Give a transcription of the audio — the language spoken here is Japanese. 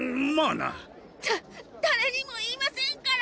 だだれにも言いませんから！